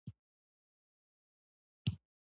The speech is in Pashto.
• بښل مینه زیاتوي.